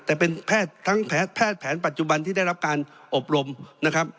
แต่เป็นแพทย์ทั้งแพทย์แผนปัจจุบันที่ได้รับการอบรมนะครับ